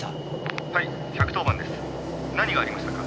「はい１１０番です。